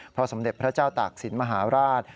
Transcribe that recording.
เพราะสมเด็จพระเจ้าตากศิลป์มหาราช